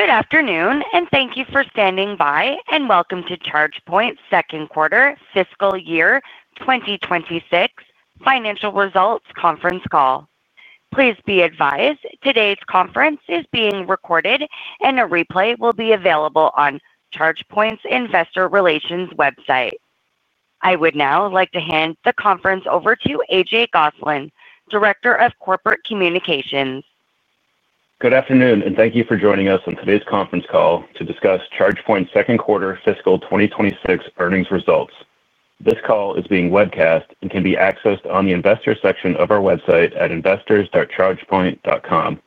Good afternoon, and thank you for standing by, and welcome to ChargePoint's second quarter, fiscal year 2026, financial results conference call. Please be advised today's conference is being recorded, and a replay will be available on ChargePoint's Investor Relations website. I would now like to hand the conference over to A.J. Gosselin, Director of Corporate Communications. Good afternoon, and thank you for joining us on today's conference call to discuss ChargePoint's second quarter, fiscal 2026, earnings results. This call is being webcast and can be accessed on the investor section of our website at investors.chargepoint.com.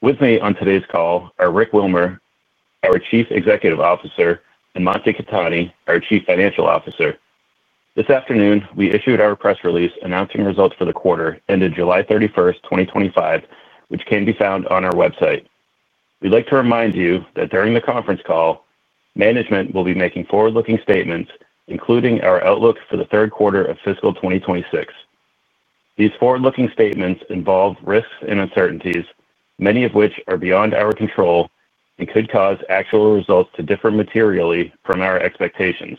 With me on today's call are Rick Wilmer, our Chief Executive Officer, and Mansi Khetani, our Chief Financial Officer. This afternoon, we issued our press release announcing results for the quarter ended July 31st, 2025, which can be found on our website. We'd like to remind you that during the conference call, management will be making forward-looking statements, including our outlook for the third quarter of fiscal 2026. These forward-looking statements involve risks and uncertainties, many of which are beyond our control and could cause actual results to differ materially from our expectations.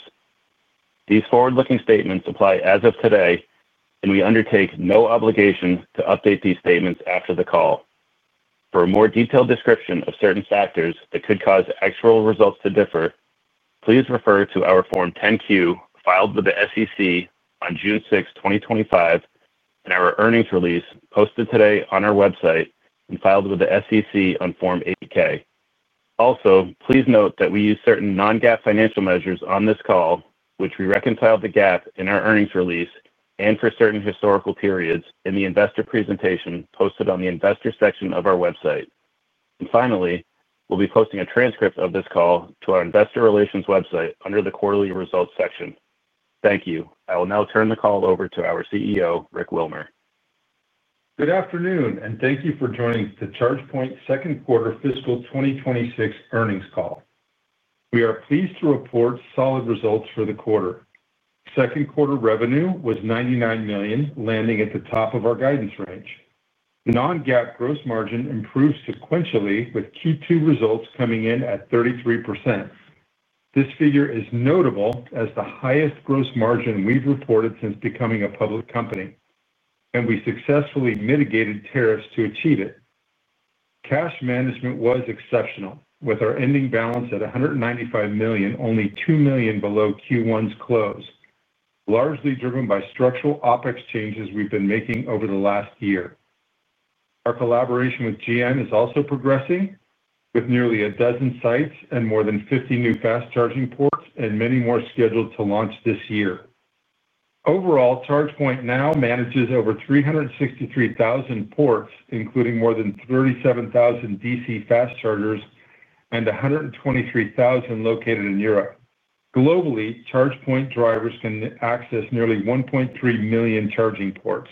These forward-looking statements apply as of today, and we undertake no obligation to update these statements after the call. For a more detailed description of certain factors that could cause actual results to differ, please refer to our Form 10-Q filed with the SEC on June 6th, 2025, and our earnings release posted today on our website and filed with the SEC on Form 8-K. Also, please note that we use certain non-GAAP financial measures on this call, which we reconciled to GAAP in our earnings release and for certain historical periods in the investor presentation posted on the investor section of our website. And finally, we'll be posting a transcript of this call to our Investor Relations website under the quarterly results section. Thank you. I will now turn the call over to our CEO, Rick Wilmer. Good afternoon, and thank you for joining the ChargePoint second quarter fiscal 2026 earnings call. We are pleased to report solid results for the quarter. Second quarter revenue was $99 million, landing at the top of our guidance range. Non-GAAP gross margin improves sequentially with Q2 results coming in at 33%. This figure is notable as the highest gross margin we've reported since becoming a public company, and we successfully mitigated tariffs to achieve it. Cash management was exceptional, with our ending balance at $195 million, only $2 million below Q1's close, largely driven by structural OpEx changes we've been making over the last year. Our collaboration with GM is also progressing, with nearly a dozen sites and more than 50 new fast charging ports and many more scheduled to launch this year. Overall, ChargePoint now manages over 363,000 ports, including more than 37,000 DC fast chargers and 123,000 located in Europe. Globally, ChargePoint drivers can access nearly 1.3 million charging ports.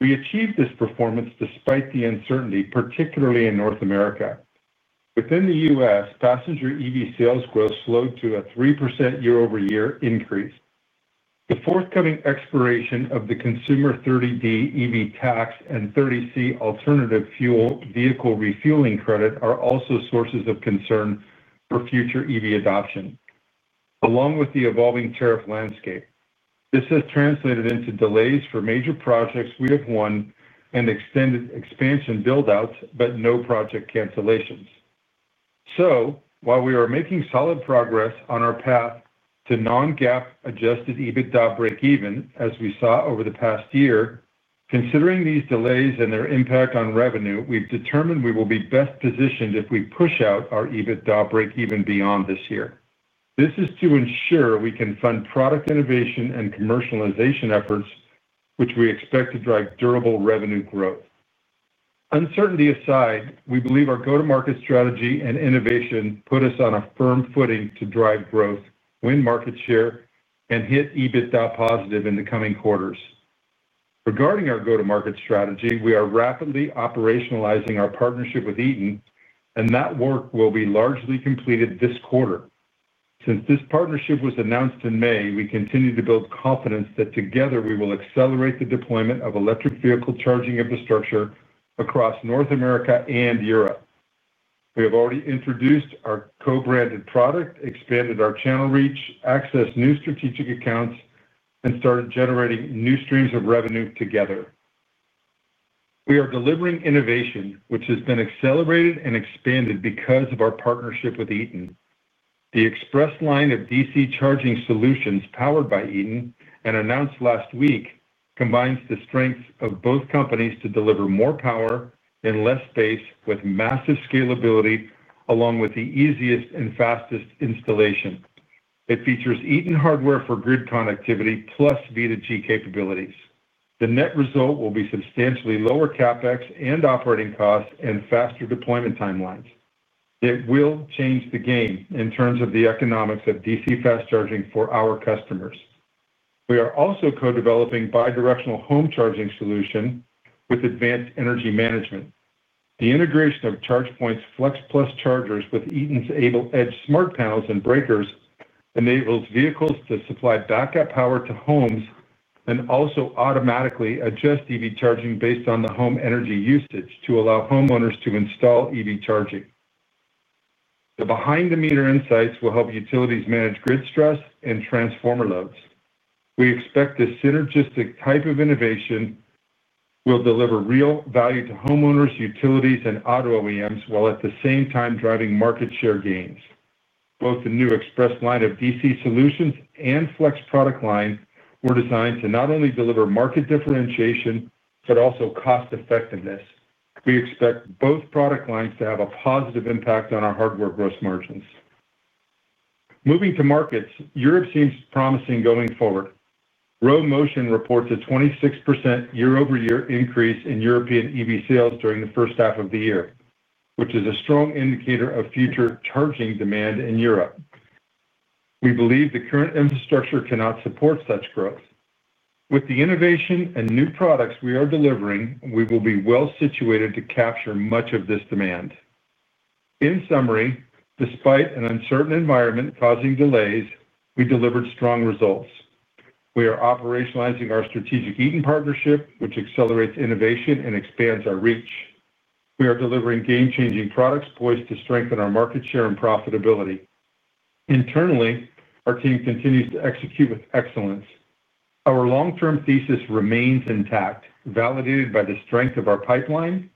We achieved this performance despite the uncertainty, particularly in North America. Within the U.S., passenger EV sales growth slowed to a 3% year-over-year increase. The forthcoming expiration of the consumer 30D EV tax and 30C Alternative Fuel Vehicle Refueling Credit are also sources of concern for future EV adoption, along with the evolving tariff landscape. This has translated into delays for major projects we have won and extended expansion buildouts, but no project cancellations. So, while we are making solid progress on our path to non-GAAP adjusted EBITDA breakeven, as we saw over the past year, considering these delays and their impact on revenue, we've determined we will be best positioned if we push out our EBITDA breakeven beyond this year. This is to ensure we can fund product innovation and commercialization efforts, which we expect to drive durable revenue growth. Uncertainty aside, we believe our go-to-market strategy and innovation put us on a firm footing to drive growth, win market share, and hit EBITDA positive in the coming quarters. Regarding our go-to-market strategy, we are rapidly operationalizing our partnership with Eaton, and that work will be largely completed this quarter. Since this partnership was announced in May, we continue to build confidence that together we will accelerate the deployment of electric vehicle charging infrastructure across North America and Europe. We have already introduced our co-branded product, expanded our channel reach, accessed new strategic accounts, and started generating new streams of revenue together. We are delivering innovation, which has been accelerated and expanded because of our partnership with Eaton. The Express line of DC charging solutions powered by Eaton and announced last week combines the strengths of both companies to deliver more power in less space with massive scalability, along with the easiest and fastest installation. It features Eaton hardware for grid connectivity plus V2G capabilities. The net result will be substantially lower CapEx and operating costs and faster deployment timelines. It will change the game in terms of the economics of DC fast charging for our customers. We are also co-developing a bi-directional home charging solution with advanced energy management. The integration of ChargePoint's Flex Plus chargers with Eaton's AbleEdge smart panels and breakers enables vehicles to supply backup power to homes and also automatically adjust EV charging based on the home energy usage to allow homeowners to install EV charging. The behind-the-meter insights will help utilities manage grid stress and transformer loads. We expect this synergistic type of innovation will deliver real value to homeowners, utilities, and auto OEMs while at the same time driving market share gains. Both the new Express line of DC solutions and Flex product line were designed to not only deliver market differentiation but also cost-effectiveness. We expect both product lines to have a positive impact on our hardware gross margins. Moving to markets, Europe seems promising going forward. Rho Motion reports a 26% year-over-year increase in European EV sales during the first half of the year, which is a strong indicator of future charging demand in Europe. We believe the current infrastructure cannot support such growth. With the innovation and new products we are delivering, we will be well situated to capture much of this demand. In summary, despite an uncertain environment causing delays, we delivered strong results. We are operationalizing our strategic Eaton partnership, which accelerates innovation and expands our reach. We are delivering game-changing products poised to strengthen our market share and profitability. Internally, our team continues to execute with excellence. Our long-term thesis remains intact, validated by the strength of our pipeline,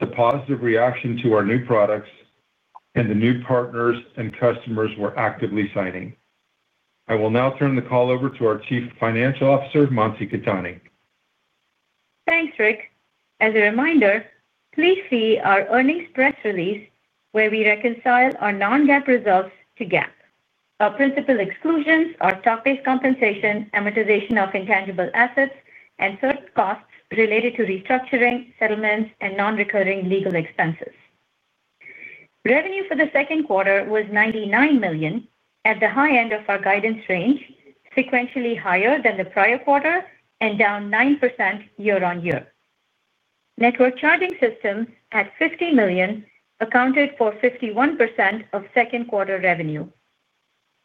the positive reaction to our new products, and the new partners and customers we're actively signing. I will now turn the call over to our Chief Financial Officer, Mansi Khetani. Thanks, Rick. As a reminder, please see our earnings press release where we reconcile our non-GAAP results to GAAP. Our principal exclusions are stock-based compensation, amortization of intangible assets, and certain costs related to restructuring, settlements, and non-recurring legal expenses. Revenue for the second quarter was $99 million, at the high end of our guidance range, sequentially higher than the prior quarter and down 9% year-on-year. Network charging systems at $50 million accounted for 51% of second quarter revenue.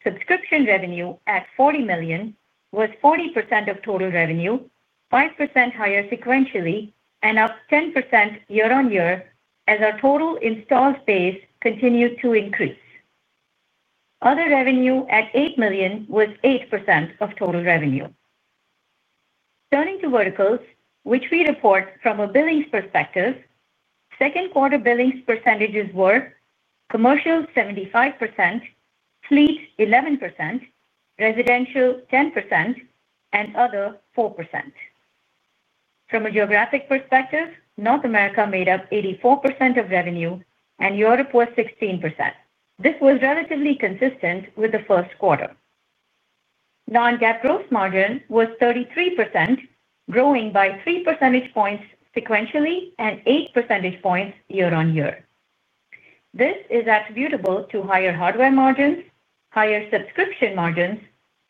Subscription revenue at $40 million was 40% of total revenue, 5% higher sequentially and up 10% year-on-year as our total install base continued to increase. Other revenue at $8 million was 8% of total revenue. Turning to verticals, which we report from a billings perspective, second quarter billings percentages were commercial 75%, fleet 11%, residential 10%, and other 4%. From a geographic perspective, North America made up 84% of revenue, and Europe was 16%. This was relatively consistent with the first quarter. Non-GAAP gross margin was 33%, growing by 3 percentage points sequentially and 8 percentage points year-on-year. This is attributable to higher hardware margins, higher subscription margins,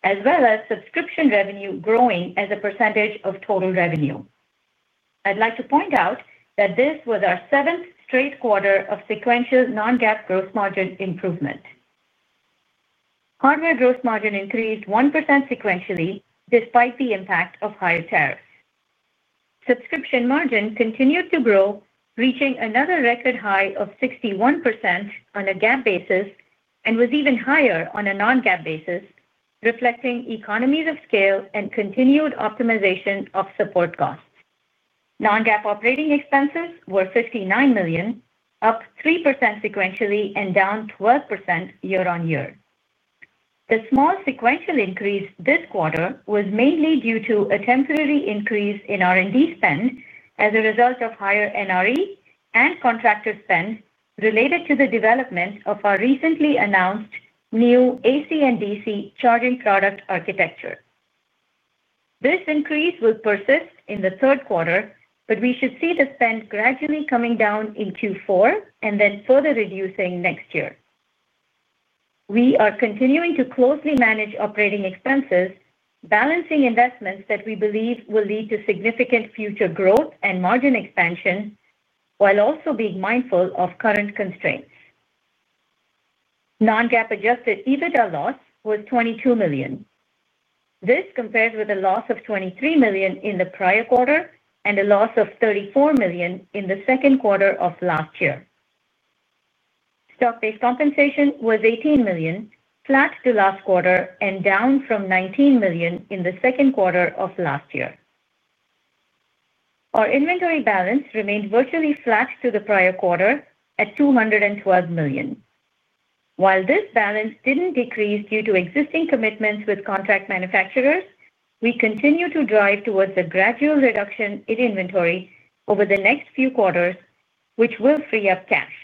as well as subscription revenue growing as a percentage of total revenue. I'd like to point out that this was our seventh straight quarter of sequential Non-GAAP gross margin improvement. Hardware gross margin increased 1% sequentially despite the impact of higher tariffs. Subscription margin continued to grow, reaching another record high of 61% on a GAAP basis and was even higher on a Non-GAAP basis, reflecting economies of scale and continued optimization of support costs. Non-GAAP operating expenses were $59 million, up 3% sequentially and down 12% year-on-year. The small sequential increase this quarter was mainly due to a temporary increase in R&D spend as a result of higher NRE and contractor spend related to the development of our recently announced new AC and DC charging product architecture. This increase will persist in the third quarter, but we should see the spend gradually coming down in Q4 and then further reducing next year. We are continuing to closely manage operating expenses, balancing investments that we believe will lead to significant future growth and margin expansion, while also being mindful of current constraints. Non-GAAP adjusted EBITDA loss was $22 million. This compares with a loss of $23 million in the prior quarter and a loss of $34 million in the second quarter of last year. Stock-based compensation was $18 million, flat to last quarter and down from $19 million in the second quarter of last year. Our inventory balance remained virtually flat to the prior quarter at $212 million. While this balance didn't decrease due to existing commitments with contract manufacturers, we continue to drive towards a gradual reduction in inventory over the next few quarters, which will free up cash.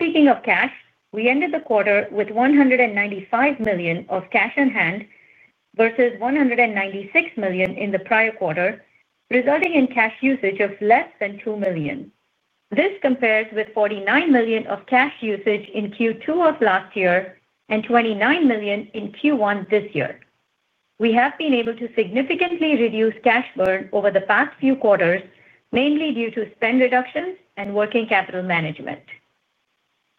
Speaking of cash, we ended the quarter with $195 million of cash on hand versus $196 million in the prior quarter, resulting in cash usage of less than $2 million. This compares with $49 million of cash usage in Q2 of last year and $29 million in Q1 this year. We have been able to significantly reduce cash burn over the past few quarters, mainly due to spend reductions and working capital management.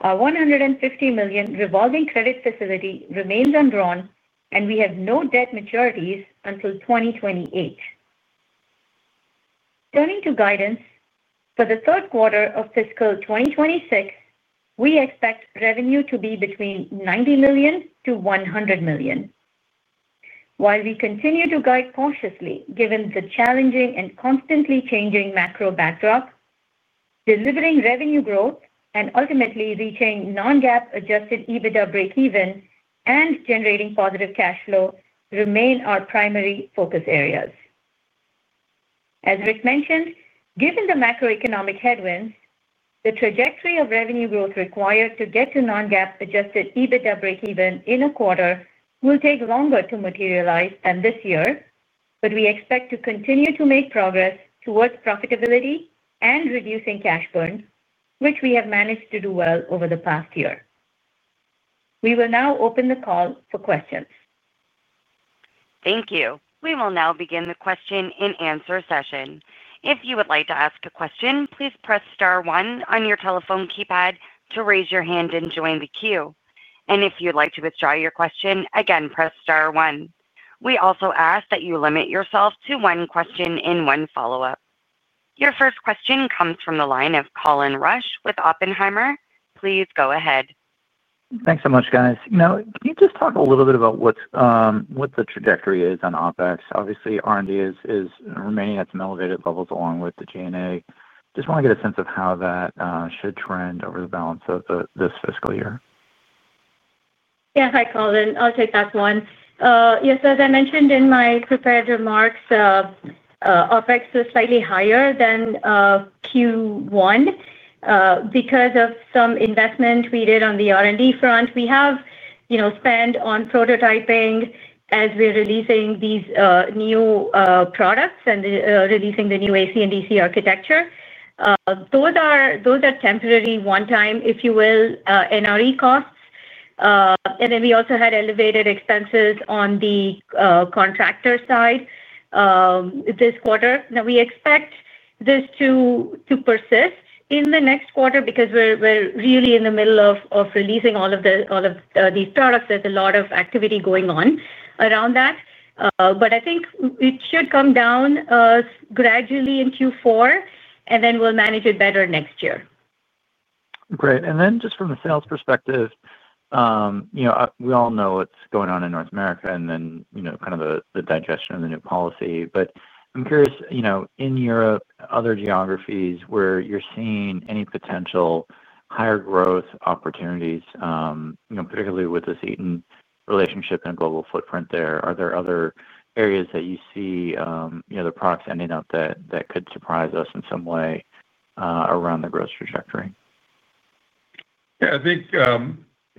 Our $150 million revolving credit facility remains undrawn, and we have no debt maturities until 2028. Turning to guidance, for the third quarter of fiscal 2026, we expect revenue to be between $90 million-$100 million. While we continue to guide cautiously given the challenging and constantly changing macro backdrop, delivering revenue growth and ultimately reaching non-GAAP adjusted EBITDA breakeven and generating positive cash flow remain our primary focus areas. As Rick mentioned, given the macroeconomic headwinds, the trajectory of revenue growth required to get to non-GAAP adjusted EBITDA breakeven in a quarter will take longer to materialize than this year, but we expect to continue to make progress towards profitability and reducing cash burn, which we have managed to do well over the past year. We will now open the call for questions. Thank you. We will now begin the question and answer session. If you would like to ask a question, please press star one on your telephone keypad to raise your hand and join the queue. And if you'd like to withdraw your question, again, press star one. We also ask that you limit yourself to one question and one follow-up. Your first question comes from the line of Colin Rusch with Oppenheimer. Please go ahead. Thanks so much, guys. Can you just talk a little bit about what the trajectory is on OpEx? Obviously, R&D is remaining at some elevated levels along with the G&A. Just want to get a sense of how that should trend over the balance of this fiscal year. Yes, hi, Colin. I'll take that one. Yes, as I mentioned in my prepared remarks, OpEx is slightly higher than Q1 because of some investment we did on the R&D front. We have spent on prototyping as we're releasing these new products and releasing the new AC and DC architecture. Those are temporary, one-time, if you will, NRE costs. And then we also had elevated expenses on the contractor side this quarter. Now, we expect this to persist in the next quarter because we're really in the middle of releasing all of these products. There's a lot of activity going on around that. But I think it should come down gradually in Q4, and then we'll manage it better next year. Great. And then just from a sales perspective, we all know what's going on in North America and then kind of the digestion of the new policy. But I'm curious, in Europe, other geographies where you're seeing any potential higher growth opportunities, particularly with this Eaton relationship and global footprint there, are there other areas that you see the products ending up that could surprise us in some way around the growth trajectory? Yeah, I think.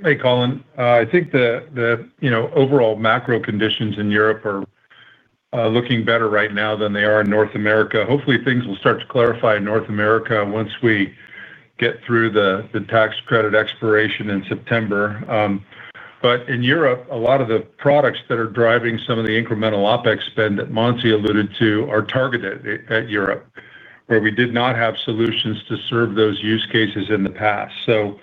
Hey, Colin, I think the overall macro conditions in Europe are looking better right now than they are in North America. Hopefully, things will start to clarify in North America once we get through the tax credit expiration in September. But in Europe, a lot of the products that are driving some of the incremental OpEx spend that Mansi alluded to are targeted at Europe, where we did not have solutions to serve those use cases in the past. So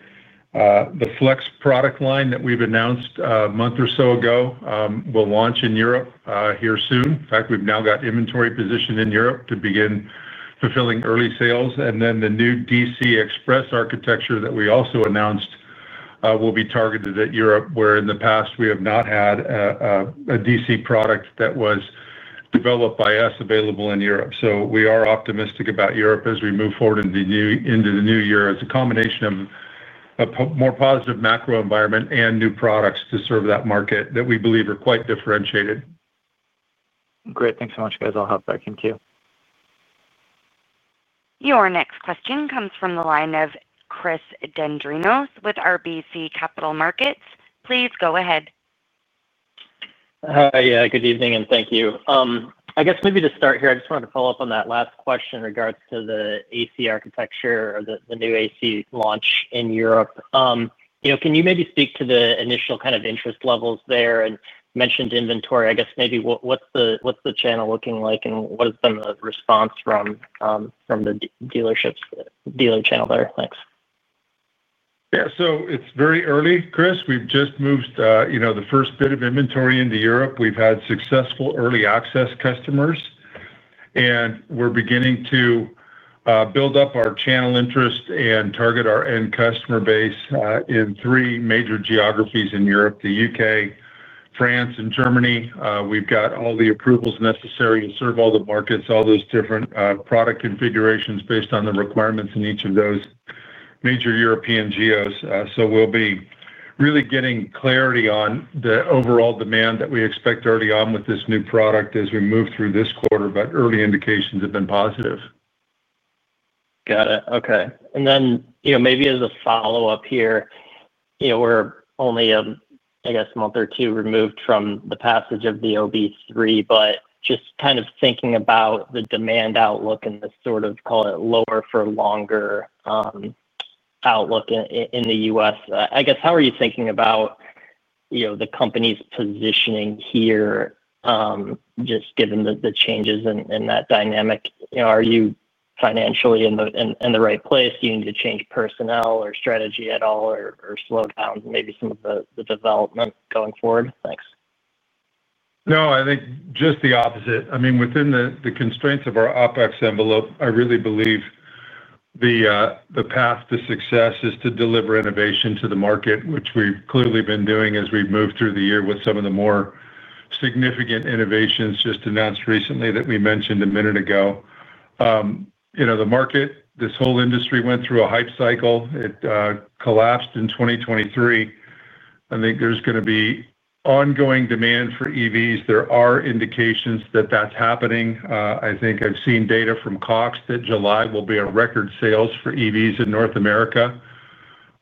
the Flex product line that we've announced a month or so ago will launch in Europe here soon. In fact, we've now got inventory positioned in Europe to begin fulfilling early sales. And then the new DC Express architecture that we also announced will be targeted at Europe, where in the past, we have not had a DC product that was developed by us available in Europe. So we are optimistic about Europe as we move forward into the new year as a combination of a more positive macro environment and new products to serve that market that we believe are quite differentiated. Great. Thanks so much, guys. I'll hop back in queue. Your next question comes from the line of Chris Dendrinos with RBC Capital Markets. Please go ahead. Hi, yeah, good evening and thank you. I guess maybe to start here, I just wanted to follow up on that last question in regards to the AC architecture or the new AC launch in Europe. Can you maybe speak to the initial kind of interest levels there and mentioned inventory? I guess maybe what's the channel looking like and what has been the response from the dealership's dealer channel there? Thanks. Yeah, so it's very early, Chris. We've just moved the first bit of inventory into Europe. We've had successful early access customers, and we're beginning to build up our channel interest and target our end customer base in three major geographies in Europe: the U.K., France, and Germany. We've got all the approvals necessary to serve all the markets, all those different product configurations based on the requirements in each of those major European geos. So we'll be really getting clarity on the overall demand that we expect early on with this new product as we move through this quarter, but early indications have been positive. Got it. Okay. And then maybe as a follow-up here, we're only, I guess, a month or two removed from the passage of the OB3, but just kind of thinking about the demand outlook and the sort of, call it, lower-for-longer outlook in the U.S. I guess, how are you thinking about the company's positioning here, just given the changes in that dynamic? Are you financially in the right place? Do you need to change personnel or strategy at all or slow down maybe some of the development going forward? Thanks. No, I think just the opposite. I mean, within the constraints of our OpEx envelope, I really believe the path to success is to deliver innovation to the market, which we've clearly been doing as we've moved through the year with some of the more significant innovations just announced recently that we mentioned a minute ago. The market, this whole industry, went through a hype cycle. It collapsed in 2023. I think there's going to be ongoing demand for EVs. There are indications that that's happening. I think I've seen data from Cox that July will be a record sales for EVs in North America,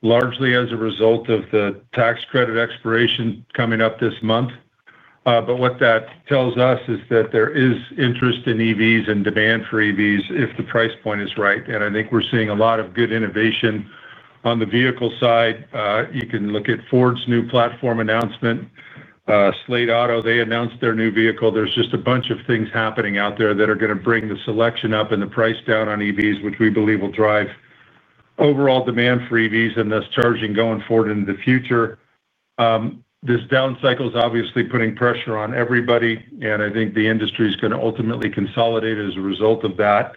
largely as a result of the tax credit expiration coming up this month. But what that tells us is that there is interest in EVs and demand for EVs if the price point is right. I think we're seeing a lot of good innovation on the vehicle side. You can look at Ford's new platform announcement, skateboard. They announced their new vehicle. There's just a bunch of things happening out there that are going to bring the selection up and the price down on EVs, which we believe will drive overall demand for EVs and thus charging going forward into the future. This down cycle is obviously putting pressure on everybody, and I think the industry is going to ultimately consolidate as a result of that.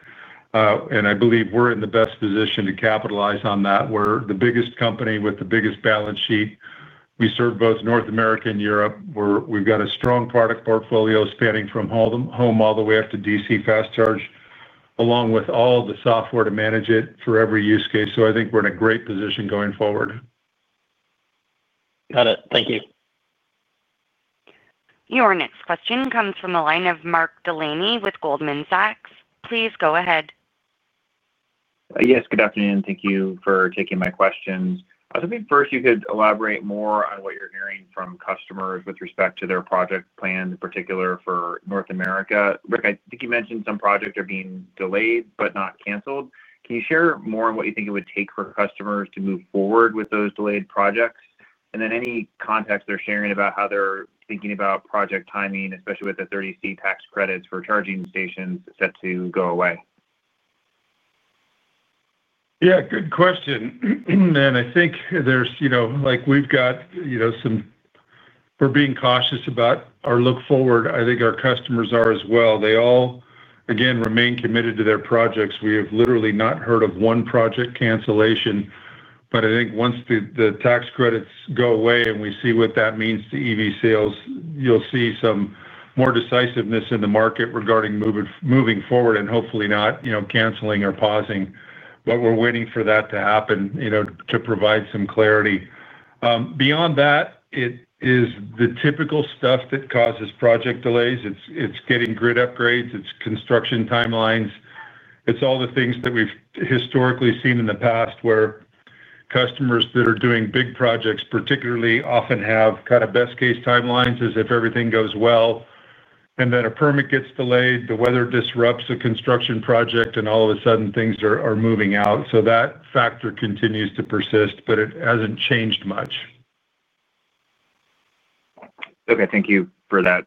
I believe we're in the best position to capitalize on that. We're the biggest company with the biggest balance sheet. We serve both North America and Europe. We've got a strong product portfolio spanning from home all the way up to DC fast charging, along with all the software to manage it for every use case. So I think we're in a great position going forward. Got it. Thank you. Your next question comes from the line of Mark Delaney with Goldman Sachs. Please go ahead. Yes, good afternoon. Thank you for taking my questions. I was hoping first you could elaborate more on what you're hearing from customers with respect to their project plan, in particular for North America. Rick, I think you mentioned some projects are being delayed but not canceled. Can you share more on what you think it would take for customers to move forward with those delayed projects? And then any context they're sharing about how they're thinking about project timing, especially with the 30C tax credits for charging stations set to go away? Yeah, good question, and I think there's, like, we've got some reason for being cautious about our outlook. I think our customers are as well. They all, again, remain committed to their projects. We have literally not heard of one project cancellation. But I think once the tax credits go away and we see what that means to EV sales, you'll see some more decisiveness in the market regarding moving forward and hopefully not canceling or pausing. But we're waiting for that to happen to provide some clarity. Beyond that, it is the typical stuff that causes project delays. It's getting grid upgrades. It's construction timelines. It's all the things that we've historically seen in the past where customers that are doing big projects particularly often have kind of best-case timelines as if everything goes well. And then a permit gets delayed, the weather disrupts a construction project, and all of a sudden, things are moving out. So that factor continues to persist, but it hasn't changed much. Okay. Thank you for that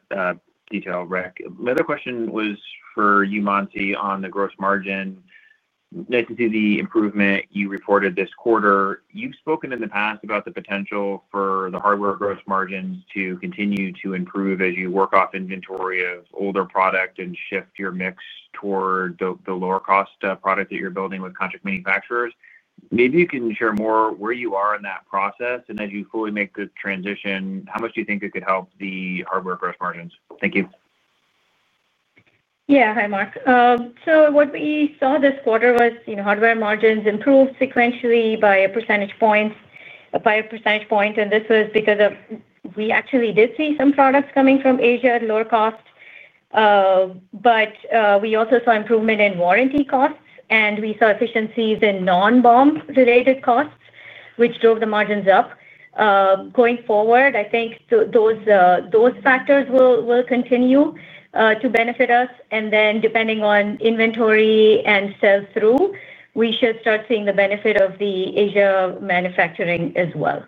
detail, Rick. My other question was for you, Mansi, on the gross margin. Nice to see the improvement you reported this quarter. You've spoken in the past about the potential for the hardware gross margins to continue to improve as you work off inventory of older product and shift your mix toward the lower-cost product that you're building with contract manufacturers. Maybe you can share more where you are in that process, and as you fully make the transition, how much do you think it could help the hardware gross margins? Thank you. Yeah, hi, Mark. So what we saw this quarter was hardware margins improved sequentially by a percentage point, by a percentage point. And this was because we actually did see some products coming from Asia, lower cost. But we also saw improvement in warranty costs, and we saw efficiencies in non-BOM-related costs, which drove the margins up. Going forward, I think those factors will continue to benefit us. And then depending on inventory and sales through, we should start seeing the benefit of the Asia manufacturing as well.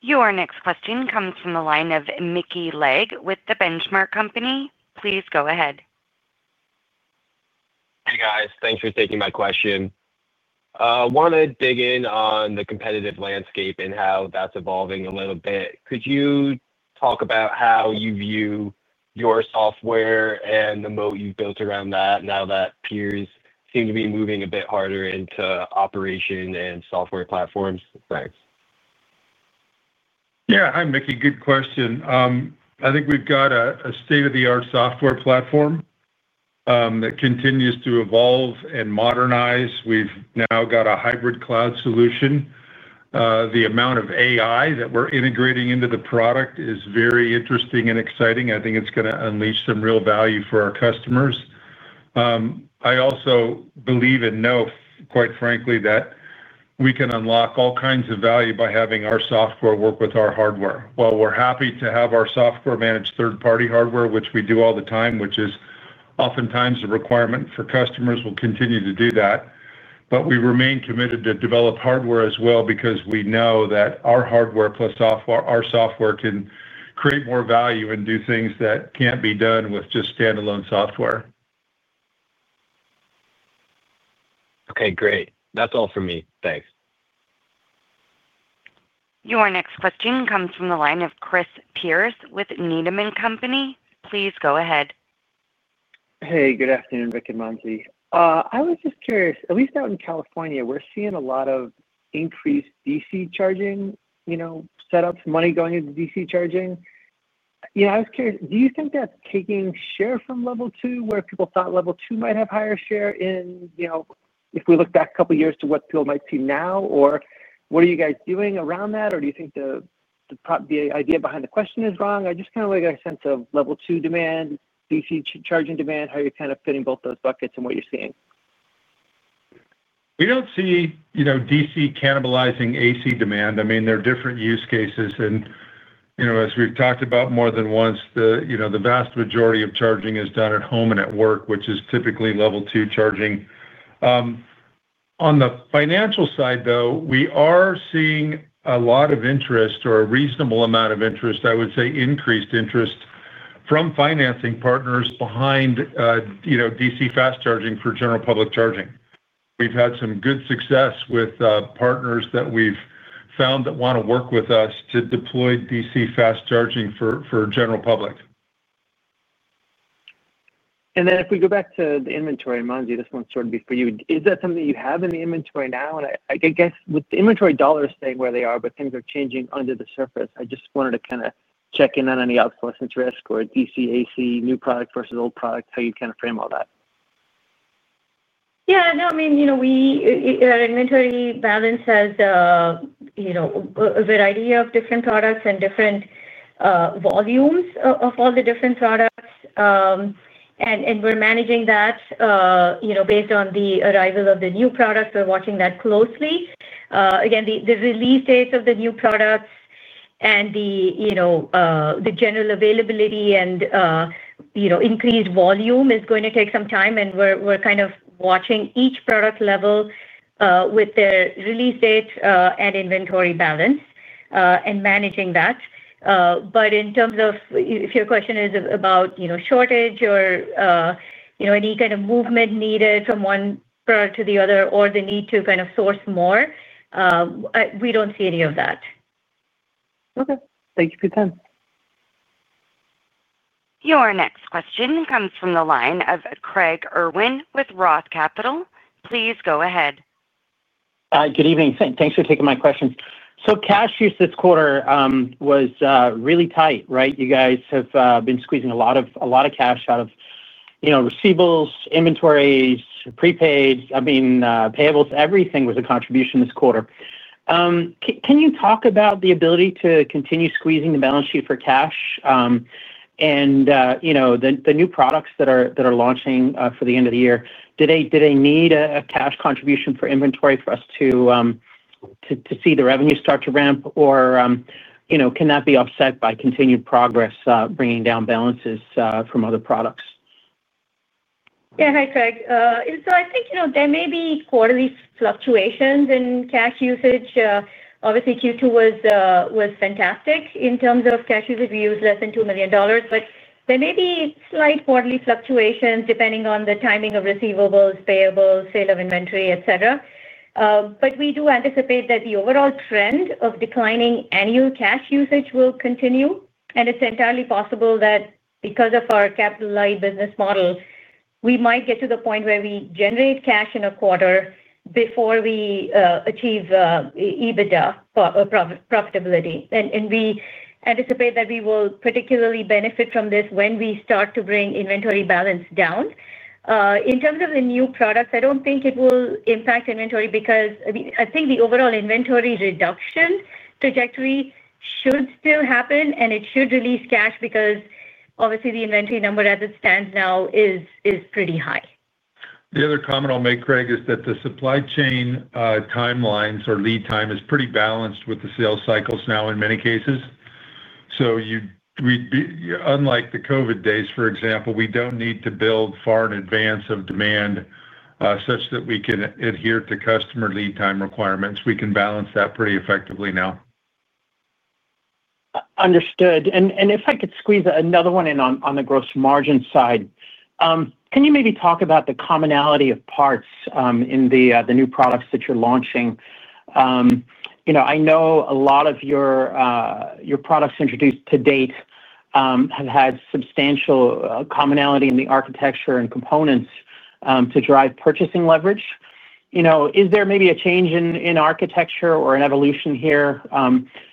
Your next question comes from the line of Mickey Legg with The Benchmark Company. Please go ahead. Hey, guys. Thanks for taking my question. I want to dig in on the competitive landscape and how that's evolving a little bit. Could you talk about how you view your software and the moat you've built around that now that peers seem to be moving a bit harder into operation and software platforms? Thanks. Yeah, hi, Mickey. Good question. I think we've got a state-of-the-art software platform that continues to evolve and modernize. We've now got a hybrid cloud solution. The amount of AI that we're integrating into the product is very interesting and exciting. I think it's going to unleash some real value for our customers. I also believe and know, quite frankly, that we can unlock all kinds of value by having our software work with our hardware. While we're happy to have our software manage third-party hardware, which we do all the time, which is oftentimes a requirement for customers, we'll continue to do that. But we remain committed to develop hardware as well because we know that our hardware plus our software can create more value and do things that can't be done with just standalone software. Okay, great. That's all for me. Thanks. Your next question comes from the line of Chris Pierce with Needham & Company. Please go ahead. Hey, good afternoon, Rick and Mansi. I was just curious, at least out in California, we're seeing a lot of increased DC charging setups, money going into DC charging. I was curious, do you think that's taking share from Level 2 where people thought Level 2 might have higher share in if we look back a couple of years to what people might see now? Or what are you guys doing around that? Or do you think the idea behind the question is wrong? I just kind of like a sense of Level 2 demand, DC charging demand, how you're kind of fitting both those buckets and what you're seeing. We don't see DC cannibalizing AC demand. I mean, there are different use cases. And as we've talked about more than once, the vast majority of charging is done at home and at work, which is typically Level 2 charging. On the financial side, though, we are seeing a lot of interest or a reasonable amount of interest, I would say increased interest from financing partners behind DC fast charging for general public charging. We've had some good success with partners that we've found that want to work with us to deploy DC fast charging for general public. And then if we go back to the inventory, Mansi, this one's sort of before you. Is that something you have in the inventory now? And I guess with the inventory dollars staying where they are, but things are changing under the surface. I just wanted to kind of check in on any obsolescence risk or DC/AC, new product versus old product, how you kind of frame all that. Yeah, no, I mean, our inventory balance has a variety of different products and different volumes of all the different products, and we're managing that based on the arrival of the new products. We're watching that closely. Again, the release dates of the new products and the general availability and increased volume is going to take some time, and we're kind of watching each product level with their release date and inventory balance and managing that. But in terms of if your question is about shortage or any kind of movement needed from one product to the other or the need to kind of source more, we don't see any of that. Okay. Thank you for your time. Your next question comes from the line of Craig Irwin with Roth Capital. Please go ahead. Hi, good evening. Thanks for taking my questions. So cash use this quarter was really tight, right? You guys have been squeezing a lot of cash out of receivables, inventories, prepaids, I mean, payables. Everything was a contribution this quarter. Can you talk about the ability to continue squeezing the balance sheet for cash and the new products that are launching for the end of the year? Do they need a cash contribution for inventory for us to see the revenue start to ramp? Or can that be offset by continued progress, bringing down balances from other products? Yeah, hi, Craig. So I think there may be quarterly fluctuations in cash usage. Obviously, Q2 was fantastic in terms of cash usage. We used less than $2 million. But there may be slight quarterly fluctuations depending on the timing of receivables, payables, sale of inventory, et cetera. But we do anticipate that the overall trend of declining annual cash usage will continue. And it's entirely possible that because of our capital-light business model, we might get to the point where we generate cash in a quarter before we achieve EBITDA profitability. And we anticipate that we will particularly benefit from this when we start to bring inventory balance down. In terms of the new products, I don't think it will impact inventory because I think the overall inventory reduction trajectory should still happen, and it should release cash because obviously the inventory number as it stands now is pretty high. The other comment I'll make, Craig, is that the supply chain timelines or lead time is pretty balanced with the sales cycles now in many cases, so unlike the COVID days, for example, we don't need to build far in advance of demand such that we can adhere to customer lead time requirements. We can balance that pretty effectively now. Understood. And if I could squeeze another one in on the gross margin side, can you maybe talk about the commonality of parts in the new products that you're launching? I know a lot of your products introduced to date have had substantial commonality in the architecture and components to drive purchasing leverage. Is there maybe a change in architecture or an evolution here?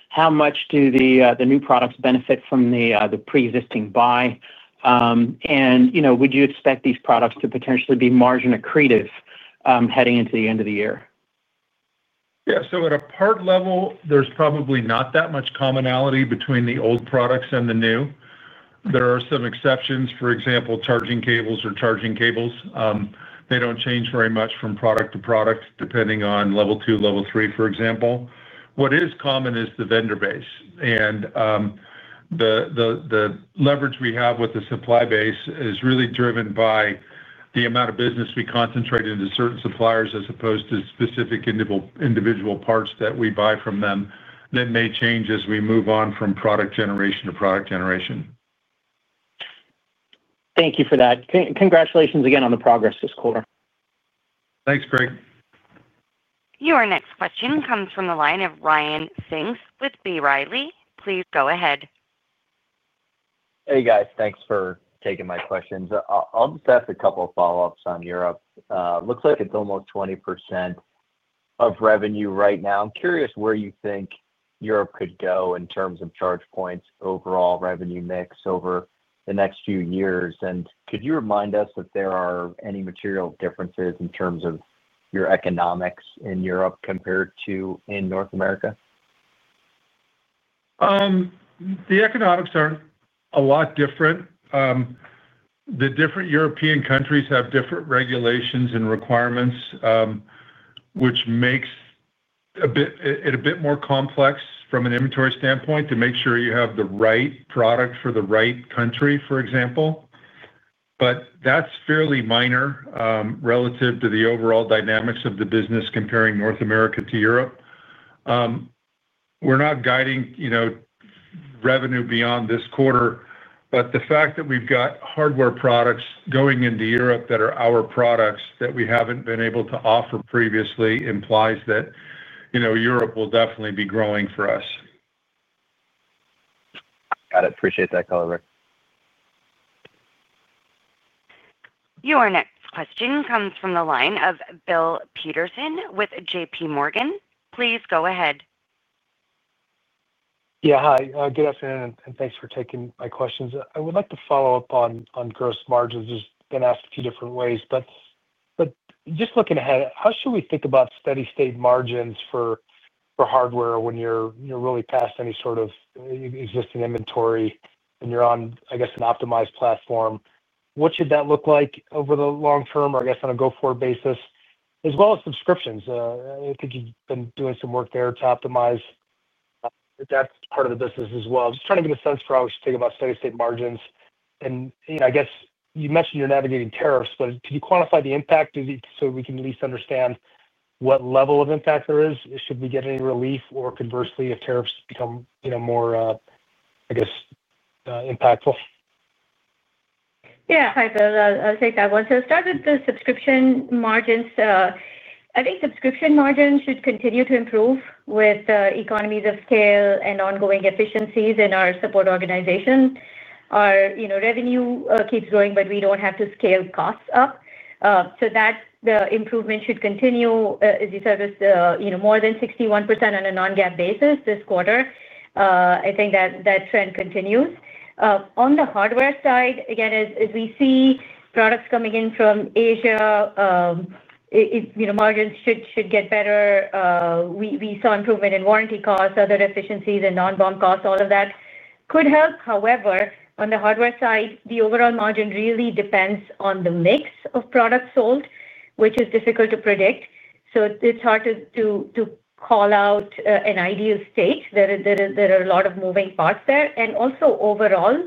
How much do the new products benefit from the pre-existing buy? And would you expect these products to potentially be margin accretive heading into the end of the year? Yeah. So at a part level, there's probably not that much commonality between the old products and the new. There are some exceptions, for example, charging cables. They don't change very much from product to product depending on Level 2, Level 3, for example. What is common is the vendor base. And the leverage we have with the supply base is really driven by the amount of business we concentrate into certain suppliers as opposed to specific individual parts that we buy from them that may change as we move on from product generation to product generation. Thank you for that. Congratulations again on the progress this quarter. Thanks, Craig. Your next question comes from the line of Ryan Pfingst with B. Riley. Please go ahead. Hey, guys. Thanks for taking my questions. I'll just ask a couple of follow-ups on Europe. Looks like it's almost 20% of revenue right now. I'm curious where you think Europe could go in terms of charge points, overall revenue mix over the next few years. And could you remind us if there are any material differences in terms of your economics in Europe compared to in North America? The economics are a lot different. The different European countries have different regulations and requirements, which makes it a bit more complex from an inventory standpoint to make sure you have the right product for the right country, for example. But that's fairly minor relative to the overall dynamics of the business comparing North America to Europe. We're not guiding revenue beyond this quarter. But the fact that we've got hardware products going into Europe that are our products that we haven't been able to offer previously implies that Europe will definitely be growing for us. Got it. Appreciate that, color. Your next question comes from the line of Bill Peterson with JPMorgan. Please go ahead. Yeah, hi. Good afternoon, and thanks for taking my questions. I would like to follow up on gross margins. Just been asked a few different ways. But just looking ahead, how should we think about steady-state margins for hardware when you're really past any sort of existing inventory and you're on, I guess, an optimized platform? What should that look like over the long term or, I guess, on a go-forward basis? As well as subscriptions, I think you've been doing some work there to optimize. That's part of the business as well. Just trying to get a sense for how we should think about steady-state margins. And I guess you mentioned you're navigating tariffs, but could you quantify the impact so we can at least understand what level of impact there is? Should we get any relief or conversely, if tariffs become more, I guess, impactful? Yeah, hi. I'll take that one. So start with the subscription margins. I think subscription margins should continue to improve with economies of scale and ongoing efficiencies in our support organization. Our revenue keeps growing, but we don't have to scale costs up. So that improvement should continue. As you said, it was more than 61% on a non-GAAP basis this quarter. I think that trend continues. On the hardware side, again, as we see products coming in from Asia, margins should get better. We saw improvement in warranty costs, other efficiencies, and non-BOM costs. All of that could help. However, on the hardware side, the overall margin really depends on the mix of products sold, which is difficult to predict. So it's hard to call out an ideal state. There are a lot of moving parts there. And also overall,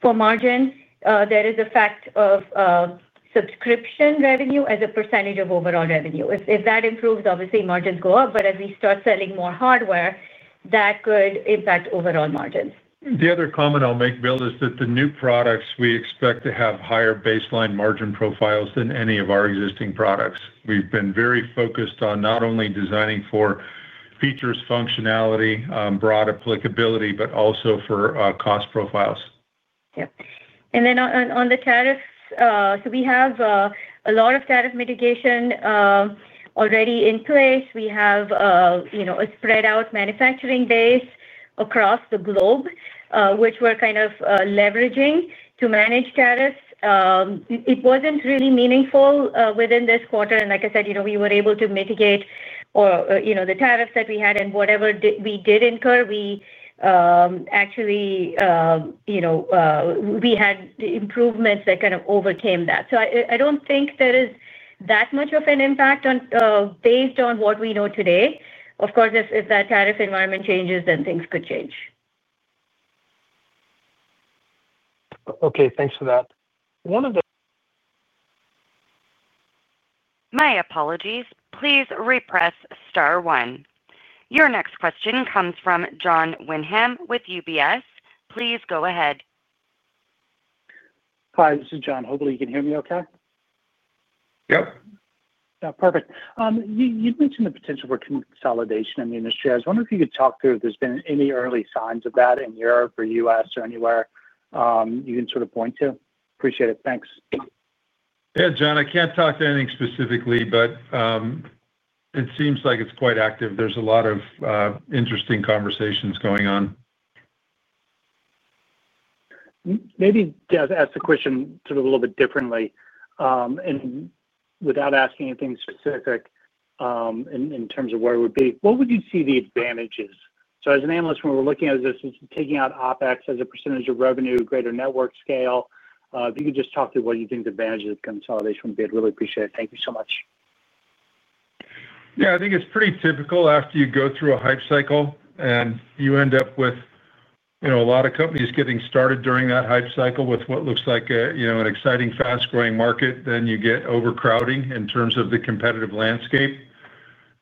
for margins, there is the fact of subscription revenue as a percentage of overall revenue. If that improves, obviously, margins go up. But as we start selling more hardware, that could impact overall margins. The other comment I'll make, Bill, is that the new products, we expect to have higher baseline margin profiles than any of our existing products. We've been very focused on not only designing for features, functionality, broad applicability, but also for cost profiles. Yep. And then on the tariffs, so we have a lot of tariff mitigation already in place. We have a spread-out manufacturing base across the globe, which we're kind of leveraging to manage tariffs. It wasn't really meaningful within this quarter. And like I said, we were able to mitigate the tariffs that we had. And whatever we did incur, we actually had improvements that kind of overcame that. So I don't think there is that much of an impact based on what we know today. Of course, if that tariff environment changes, then things could change. Okay. Thanks for that. One of the. My apologies. Please press star one. Your next question comes from Jon Windham with UBS. Please go ahead. Hi, this is Jon. Hopefully, you can hear me okay. Yep. Perfect. You mentioned the potential for consolidation in the industry. I was wondering if you could talk through if there's been any early signs of that in Europe or the U.S. or anywhere you can sort of point to. Appreciate it. Thanks. Yeah, Jon, I can't talk to anything specifically, but it seems like it's quite active. There's a lot of interesting conversations going on. Maybe to ask the question sort of a little bit differently and without asking anything specific in terms of where it would be, what would you see the advantages? So as an analyst, when we're looking at this, it's taking out OpEx as a percentage of revenue, greater network scale. If you could just talk through what you think the advantages of consolidation would be, I'd really appreciate it. Thank you so much. Yeah, I think it's pretty typical after you go through a hype cycle and you end up with a lot of companies getting started during that hype cycle with what looks like an exciting, fast-growing market, then you get overcrowding in terms of the competitive landscape,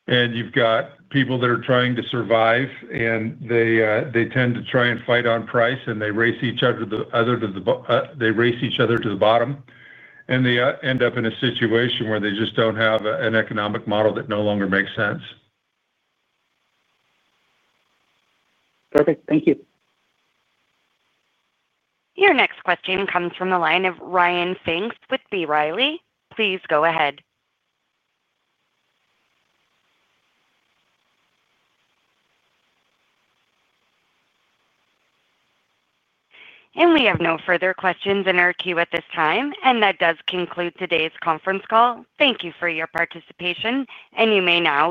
and you've got people that are trying to survive, and they tend to try and fight on price, and they race each other to the bottom, and they end up in a situation where they just don't have an economic model that no longer makes sense. Perfect. Thank you. Your next question comes from the line of Ryan Pfingst with B. Riley. Please go ahead. And we have no further questions in our queue at this time. And that does conclude today's conference call. Thank you for your participation. And you may now.